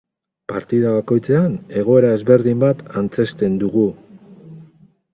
Partida bakoitzean egoera ezberdin bat antzezten dugu.